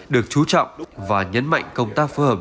được chú trọng và nhấn mạnh công tác phối hợp